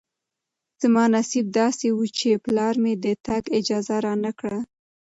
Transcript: زما نصیب داسې و چې پلار مې د تګ اجازه رانه کړه.